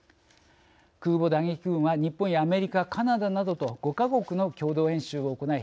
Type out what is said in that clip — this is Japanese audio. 空母打撃群は日本やアメリカ、カナダなどと５か国の共同演習を行い